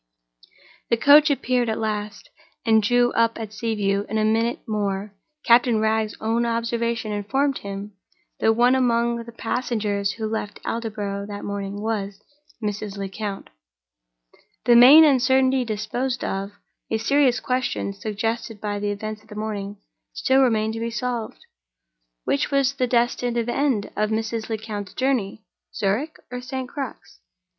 The coach appeared at last, and drew up at Sea View. In a minute more, Captain Wragge's own observation informed him that one among the passengers who left Aldborough that morning was—Mrs. Lecount. The main uncertainty disposed of, a serious question—suggested by the events of the morning—still remained to be solved. Which was the destined end of Mrs. Lecount's journey—Zurich or St. Crux?